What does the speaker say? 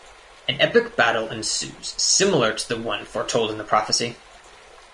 An epic battle ensues similar to the one foretold in the prophecy.